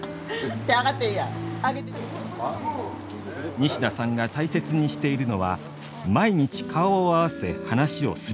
西田さんが大切にしているのは毎日顔を合わせ話をすること。